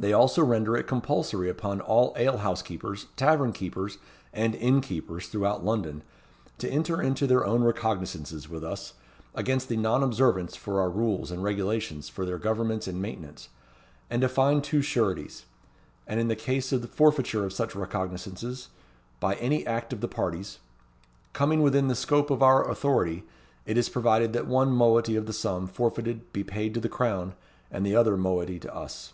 They also render it compulsory upon all ale house keepers, tavern keepers, and inn keepers throughout London, to enter into their own recognizances with us against the non observance of our rules and regulations for their governance and maintenance, and to find two sureties: and in case of the forfeiture of such recognizances by any act of the parties, coming within the scope of our authority, it is provided that one moiety of the sum forfeited be paid to the Crown, and the other moiety to us.